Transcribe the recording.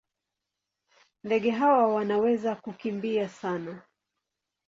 Ndege hawa wanaweza kukimbia sana.